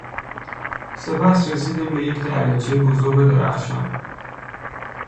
سپس رسیدیم به یک دریاچهی بزرگ و درخشان